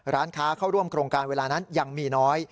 ร้านค้าเข้าร่วมโครงการเวลานั้นยังมีน้อย